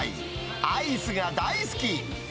アイスが大好き。